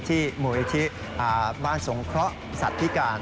ที่มหุ้ยที่บ้านสงเคราะห์สัตว์พิการ